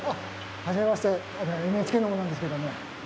はじめましてＮＨＫの者なんですけども。